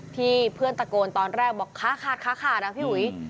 ที่เพื่อนตะโกนตอนแรกบอกค่าค่านะพี่หุย